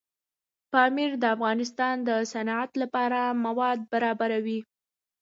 پامیر د افغانستان د صنعت لپاره مواد برابروي.